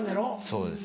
そうです。